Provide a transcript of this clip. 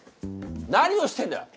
何をしてるんだ！